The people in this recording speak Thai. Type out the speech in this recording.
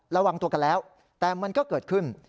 ระวังตัวกันแล้วแต่มันก็เกิดขึ้น